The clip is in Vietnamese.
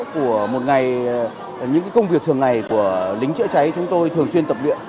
của một ngày những công việc thường ngày của lính chữa cháy chúng tôi thường xuyên tập luyện